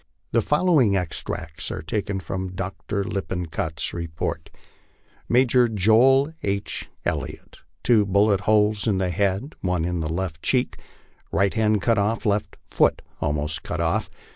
The following extracts are taken from Dr. Lippincott's report :'* Major Joel H. Elliott, two bullet holes in head, one in left cheek, right hand cut off, left foot almost cut off